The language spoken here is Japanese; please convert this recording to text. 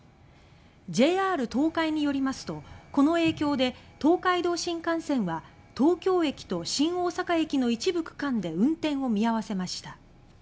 ＪＲ東海によりますとこの影響で東海道新幹線は東京駅と新大阪駅の一部区間で運転を見合わせました。